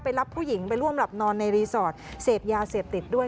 รับผู้หญิงไปร่วมหลับนอนในรีสอร์ทเสพยาเสพติดด้วย